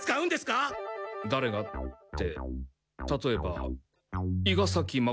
だれがって例えば伊賀崎孫